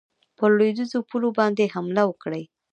پر لوېدیخو پولو باندي حمله وکړي.